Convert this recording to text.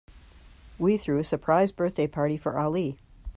We threw a surprise birthday party for Ali.